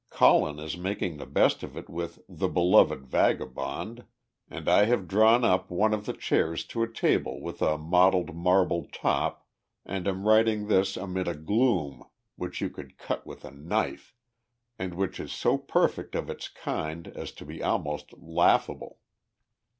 Colin is making the best of it with 'The Beloved Vagabond,' and I have drawn up one of the chairs to a table with a mottled marble top, and am writing this amid a gloom which you could cut with a knife, and which is so perfect of its kind as to be almost laughable.